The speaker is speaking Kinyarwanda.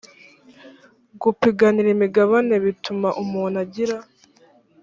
gupiganira imigabane ituma umuntu agira